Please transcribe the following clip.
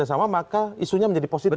pengusung bersama maka isunya menjadi positif